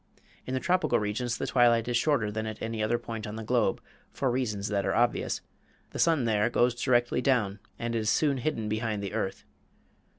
In the tropical regions the twilight is shorter than at any other point on the globe for reasons that are obvious. The sun there goes directly down and is soon hidden behind the earth.